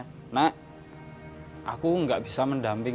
kebanyakan nini perempuan depan